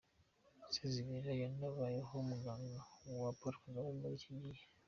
Sezibera yanabayeho umuganga wa Poro Kagame muri icyo gihe.